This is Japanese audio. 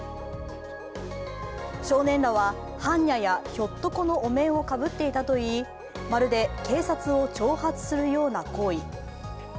少年らは、般若やひょっとこのお面をかぶっていたといいまるで警察を挑発するような行為。